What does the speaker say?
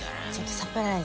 サプライズ。